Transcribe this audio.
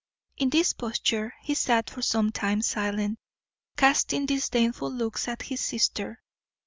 In this posture he sat for some time silent, casting disdainful looks at his sister.